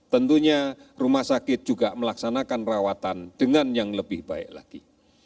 tentunya rumah sakit juga melaksanakan rawatan dengan yang lebih baik lagi